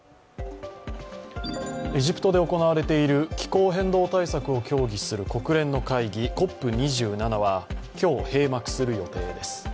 エジプトで行われている気候変動対策を協議する国連の会議、ＣＯＰ２７は今日、閉幕する予定です。